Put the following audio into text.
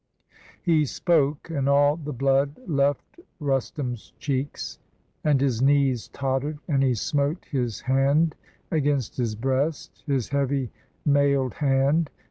He spoke; and all the blood left Rustum's cheeks, And his knees totter'd, and he smote his hand Against his breast, his heavy mailed hand.